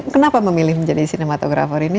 kenapa memilih menjadi sinematographer ini